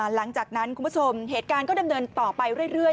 หลังจากนั้นคุณผู้ชมเหตุการณ์ก็ดำเนินต่อไปเรื่อย